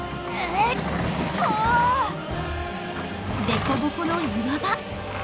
でこぼこの岩場。